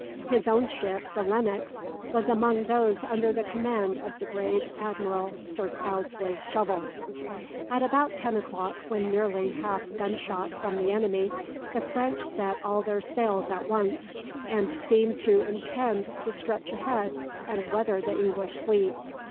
His own ship the "Lennox" was among those under the command of the brave Admiral Sir Cloudesley Shovel. At about 10 o'clock, when nearly half gunshot from the enemy, the French set all their sails at once, and seemed to intend to stretch ahead and weather the English fleet.